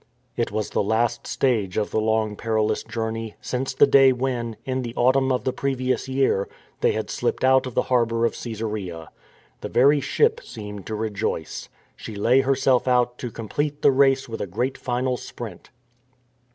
It was the last stage of the long perilous journey, since the day when, in the autumn of the previous year, they had slipped out of the harbour of Caesarea. The very ship seemed to rejoice. She lay herself out to complete the race with a great final sprint.